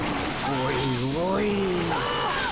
おいおい。